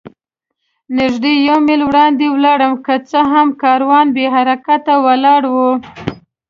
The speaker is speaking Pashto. نږدې یو میل وړاندې ولاړم، که څه هم کاروان بې حرکته ولاړ و.